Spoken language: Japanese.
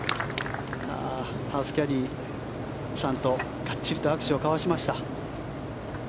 ハウスキャディーさんとがっちりと握手を交わしました。